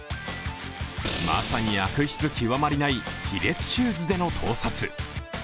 まさに悪質極まりない卑劣シューズでの盗撮。